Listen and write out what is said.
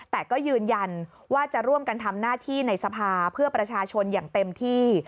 แต่ก็ยืนยันว่าจะร่วมกันทำหน้าที่ในสภาเพื่อประชาชนอย่างเต็มที่